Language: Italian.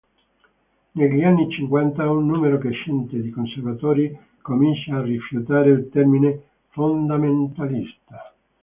Negli anni cinquanta un numero crescente di conservatori comincia a rifiutare il termine "fondamentalista".